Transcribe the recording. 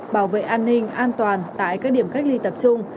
bảo vệ an ninh an toàn tại các điểm cách ly tập trung